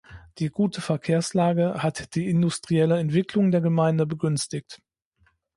Die gute Verkehrslage hat die industrielle Entwicklung der Gemeinde begünstigt.